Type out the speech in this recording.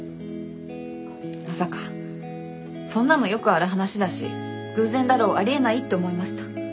まさかそんなのよくある話だし偶然だろうありえないって思いました。